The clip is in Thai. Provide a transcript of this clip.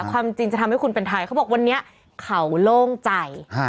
ความจริงจะทำให้คุณเป็นไทยเขาบอกวันนี้เขาโล่งใจ